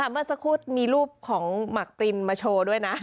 เมื่อสักครู่มีรูปของหมักปรินมาโชว์ด้วยนะ